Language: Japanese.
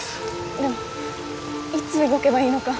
でもいつ動けばいいのか。